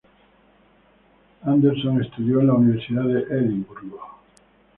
Anderson estudió en la Universidad de Edimburgo.